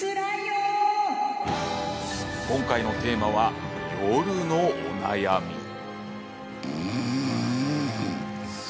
今回のテーマは夜のお悩み。